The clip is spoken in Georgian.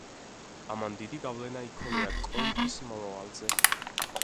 ამან დიდი გავლენა იქონია კონტის მომავალზე.